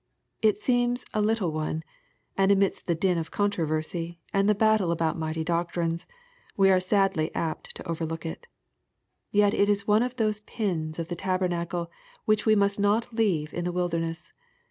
It seems " a little one," and amidst the din of controversy, and the battle about mighty doctrines, we are sadly apt to overlook it. Yet it is one of those pins of the tabernacle which we must not leave in the wil derness.